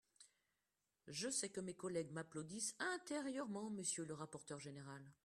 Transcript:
Je sais que mes collègues m’applaudissent intérieurement, monsieur le rapporteur général